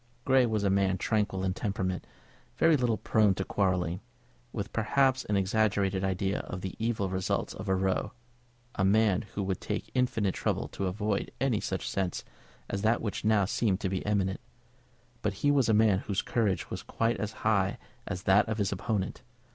Grey was a man tranquil in temperament, very little prone to quarrelling, with perhaps an exaggerated idea of the evil results of a row, a man who would take infinite trouble to avoid any such scene as that which now seemed to be imminent; but he was a man whose courage was quite as high as that of his opponent.